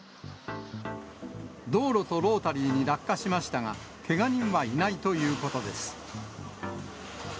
道路とロータリーに落下しましたが、けが人はいないということです。